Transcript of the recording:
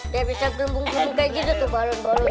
dia bisa gelembung gelembung kayak gitu tuh balun balun tuh